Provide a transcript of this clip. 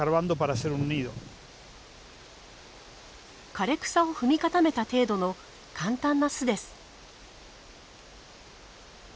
枯れ草を踏み固めた程度の簡単な巣です。